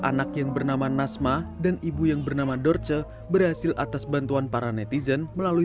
anak yang bernama nasma dan ibu yang bernama dorce berhasil atas bantuan para netizen melalui